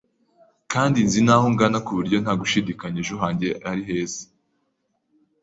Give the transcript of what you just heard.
kandi nzi n’aho ngana ku buryo nta gushidikanya ejo hanjye ari heza,